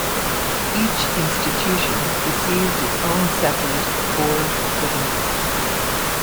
Each institution received its own separate board of governors.